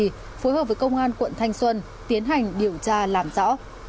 phối hợp với công an quận thanh xuân tiến hành điều tra làm rõ